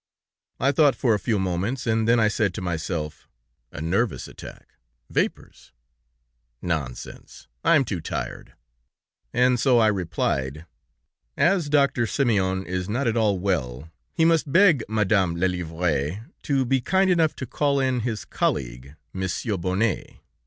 "I thought for a few moments, and then I said to myself: 'A nervous attack, vapors, nonsense; I am too tired.' And so I replied: 'As Doctor Simeon is not at all well, he must beg Madame Lelièvre to be kind enough to call in his colleague, Monsieur Bonnet.'